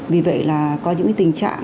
vì vậy là có những tình trạng biết bơi giỏi